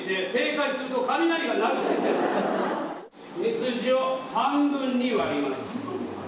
みすじを半分に割ります。